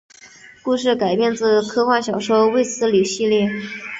故事改编自科幻小说卫斯理系列。